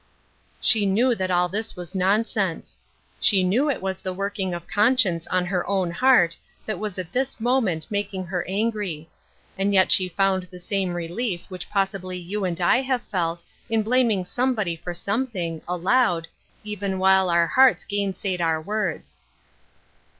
She knew that all this was nonsense. She knew it was the working of conscience on her own heart that was at this moment making her angry ; and yet she found the same relief which possibly you and I have felt in blaming some body for something, aloud, even while our hearts gainsayed our words.